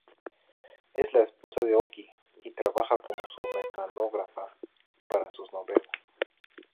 Es la esposa de Oki, y trabaja como su mecanógrafa para sus novelas.